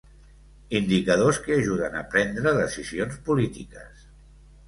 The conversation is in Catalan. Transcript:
Indicadors que “ajuden a prendre decisions polítiques”.